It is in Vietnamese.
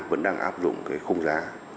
vẫn đang áp dụng không giá